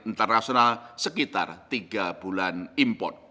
internasional sekitar tiga bulan import